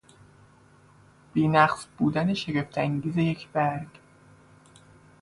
بینقص بودن شگفت انگیز یک برگ